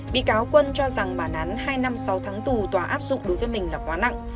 bị cáo quân cho rằng bản án hai năm sáu tháng tù tòa áp dụng đối với mình là quá nặng